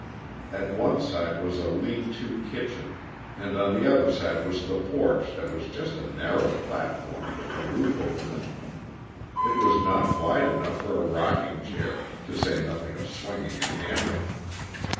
At one side was a "lean to" kitchen, and on the other side was the porch that was just a narrow platform with a roof over it. It was not wide enough for a rocking chair, to say nothing of swinging a hammock.